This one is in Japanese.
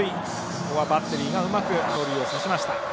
ここはバッテリーがうまく盗塁を刺しました。